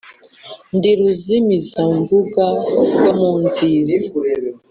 Ndi ruzimizambuga rwo mu nziza,